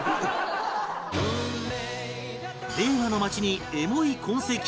令和の街にエモい痕跡あり